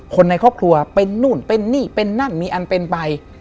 คนในครอบครัวเป็นนู่นเป็นนี่เป็นนั่นมีอันเป็นไป